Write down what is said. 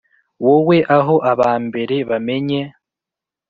wowe aho abambere bamenye